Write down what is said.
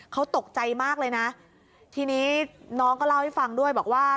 เขาตกใจมากเลยนะทีนี้น้องก็เล่าให้ฟังด้วยบอกว่า